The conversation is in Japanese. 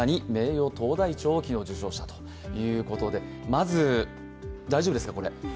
まず大丈夫ですか、これ？